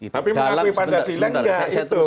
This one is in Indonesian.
tapi mengakui pancasila enggak itu